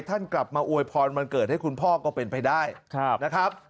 ท่านกลับมาอวยพรวันเกิดให้คุณพ่อก็เป็นไปได้นะครับ